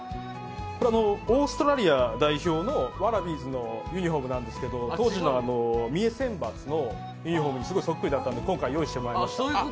オーストラリア代表のワラビーズのユニフォームなんですけど当時の三重選抜のユニフォームにすごいそっくりだったので、今回、用意してもらいました。